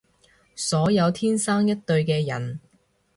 所有天生一對嘅人